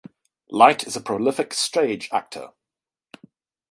Light is a prolific stage actor.